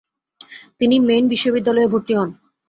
তিনি মেইন বিশ্ববিদ্যালয়ে ভর্তি হন।